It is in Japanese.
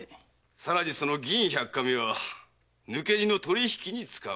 さらにその銀百貫目は抜け荷の取り引きに使うもの。